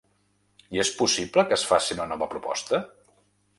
I és possible que es faci una nova proposta?